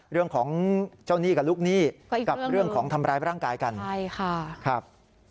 เรื่องของเจ้าหนี้กับลูกหนี้กับเรื่องของทำร้ายร่างกายกันใช่ค่ะครับ